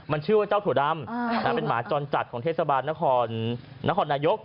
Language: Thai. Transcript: มันชื่อว่าเจ้าถั่วดำเป็นหมาจรจัดของเทศบาลนครนครนายก